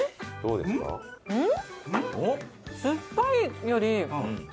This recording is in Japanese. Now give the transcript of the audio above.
うん？